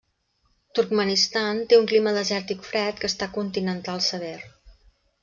Turkmenistan té un clima desèrtic fred que està continental sever.